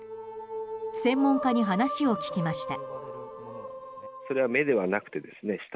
専門家に話を聞きました。